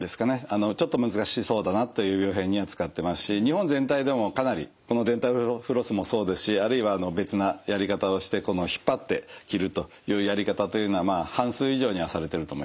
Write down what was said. ちょっと難しそうだなという病変には使ってますし日本全体でもかなりこのデンタルフロスもそうですしあるいは別なやり方をして引っ張って切るというやり方というのは半数以上にはされてると思いますね。